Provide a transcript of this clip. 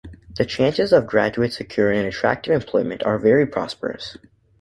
The chances of graduates securing an attractive employment are very prosperous.